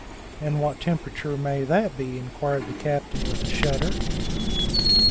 "And what temperature may that be?" inquired the captain with a shudder.